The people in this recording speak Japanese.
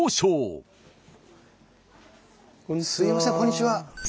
すいませんこんにちは。